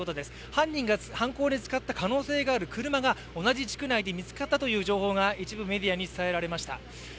犯人が犯行に使った可能性がある車が同じ地区内で見つかったという情報が一部メディアに伝えられました。